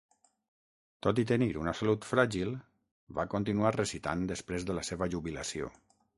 Tot i tenir una salut fràgil, va continuar recitant després de la seva jubilació.